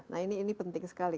nah ini penting sekali